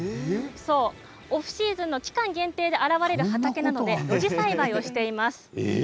オフシーズンの期間限定で現れる畑なので露地栽培をしています。